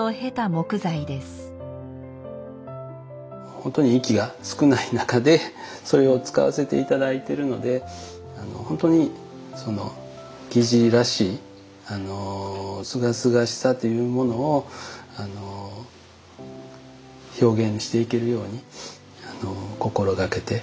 本当にいい木が少ない中でそれを使わせて頂いてるので本当に木地らしいすがすがしさというものを表現していけるように心掛けて作っています。